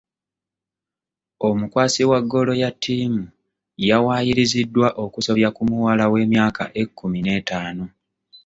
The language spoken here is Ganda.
Omukwasi wa ggoolo ya ttiimu yawaayiriziddwa okusobya ku muwala w'emyaka ekkumi n'etaano.